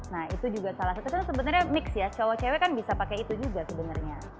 nah itu juga salah satu kan sebenarnya mix ya cowok cewek kan bisa pakai itu juga sebenarnya